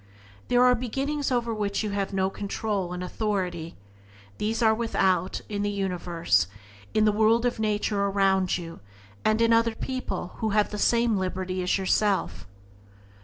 There are beginnings over which you have no control and authority — these are without, in the universe, in the world of nature around you, and in other people who have the same liberty as yourself.